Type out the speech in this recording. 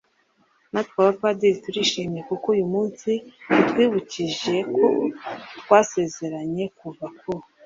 natwe abapadiri turishimye kuko uyu munsi utwibukije uko twasezeranye kuva ku